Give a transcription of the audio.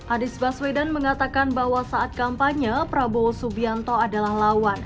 anies baswedan mengatakan bahwa saat kampanye prabowo subianto adalah lawan